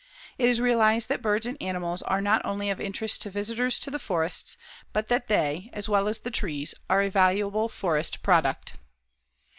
It is realized that birds and animals are not only of interest to visitors to the forests, but that they, as well as the trees, are a valuable forest product.